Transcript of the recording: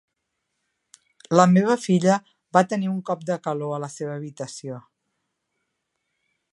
La meva filla va tenir un cop de calor a la seva habitació.